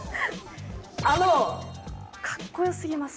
あのカッコよすぎます。